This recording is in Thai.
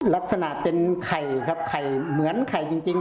ลักษณะเป็นไข่ครับไข่เหมือนไข่จริง